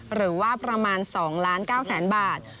หรือว่าประมาณ๒ล้าน๙แสนบาท